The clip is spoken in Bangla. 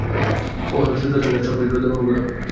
ও হলো ছোট্ট থান্ডার, সবচেয়ে দ্রুতগামী ঘোড়া।